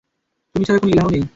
তুমি ছাড়া কোন ইলাহ নেই।